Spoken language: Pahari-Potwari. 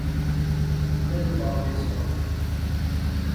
کیدوں پار گیساں؟